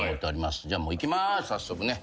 じゃあもういきます早速ね。